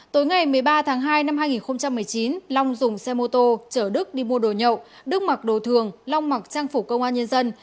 tối ngày một mươi ba tháng hai năm hai nghìn một mươi chín long dùng xe mô tô chở đức đi mua đồ nhậu đức mặc đồ thường long mặc trang phục công an nhân dân